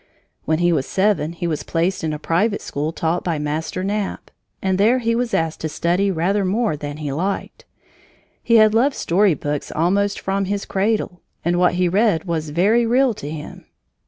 When he was seven, he was placed in a private school taught by Master Knapp. And there he was asked to study rather more than he liked. He had loved story books almost from his cradle, and what he read was very real to him.